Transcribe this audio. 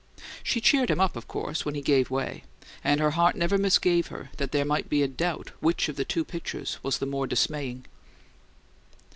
She cheered him up, of course, when he gave way; and her heart never misgave her that there might be a doubt which of the two pictures was the more dismaying.